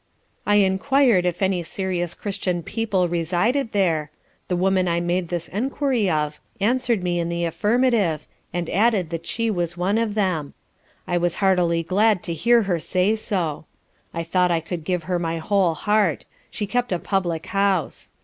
I enquir'd if any serious Christian people resided there, the woman I made this enquiry of, answer'd me in the affirmative; and added that she was one of them. I was heartily glad to hear her say so. I thought I could give her my whole heart: she kept a Public House.